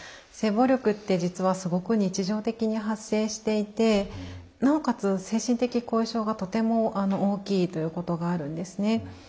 性暴力って実はすごく日常的に発生していてなおかつ精神的後遺症がとても大きいということがあるんですね。